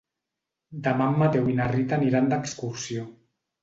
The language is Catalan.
Demà en Mateu i na Rita aniran d'excursió.